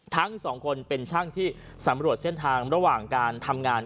ทั้งสองคนเป็นช่างที่สำรวจเส้นทางระหว่างการทำงาน